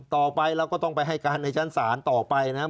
ต่อไปเราก็ต้องไปให้การในชั้นศาลต่อไปนะครับ